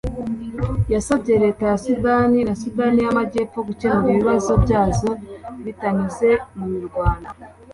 yasabye Leta ya Sudan na Sudan y’Amajyepfo gukemura ibibazo byazo bitanyuze mu mirwano